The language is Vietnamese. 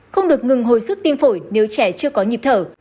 không được ngừng hồi sức tim phổi nếu trẻ chưa có nhịp thở